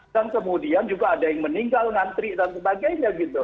dan kemudian juga ada yang meninggal ngantri dan sebagainya gitu